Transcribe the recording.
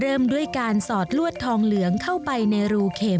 เริ่มด้วยการสอดลวดทองเหลืองเข้าไปในรูเข็ม